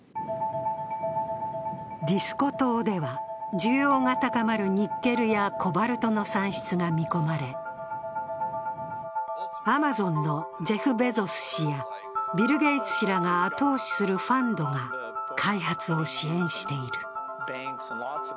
ディスコ島では需要が高まるニッケルやコバルトの産出が見込まれアマゾンのジェフ・ベゾス氏やビル・ゲイツ氏らが後押しするファンドが開発を支援している。